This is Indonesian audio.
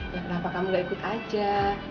ya kenapa kamu gak ikut aja